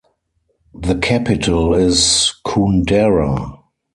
The capital is Koundara.